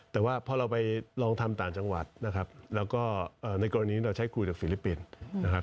แต่ว่าพอเราไปลองทำต่างจังหวัดนะครับแล้วก็ในกรณีเราใช้คุยกับฟิลิปปินส์นะครับ